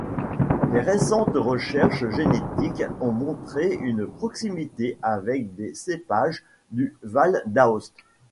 Des récentes recherches génétiques ont montré une proximité avec des cépages du val d'Aoste.